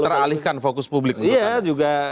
teralihkan fokus publik iya juga